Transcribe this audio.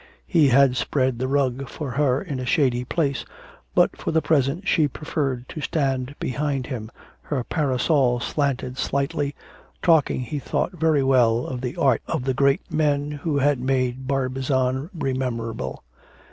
He had spread the rug for her in a shady place, but for the present she preferred to stand behind him, her parasol slanted slightly, talking, he thought very well, of the art of the great men who had made Barbizon rememberable.